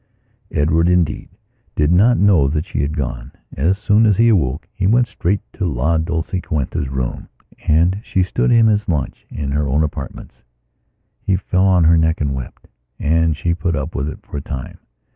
Edward, indeed, did not know that she had gone. As soon as he awoke he went straight to La Dolciquita's room and she stood him his lunch in her own apartments. He fell on her neck and wept, and she put up with it for a time.